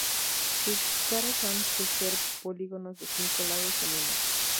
Sus caras han de ser polígonos de cinco lados o menos.